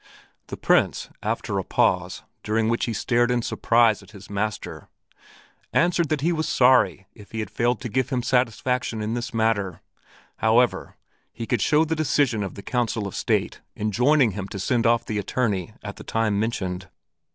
The Prince, after a pause during which he stared in surprise at his master, answered that he was sorry if he had failed to give him satisfaction in this matter; however, he could show the decision of the Council of State enjoining him to send off the attorney at the time mentioned.